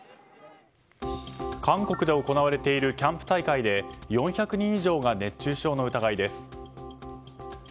韓国で行われているキャンプ大会で４００人以上が熱中症の疑いです。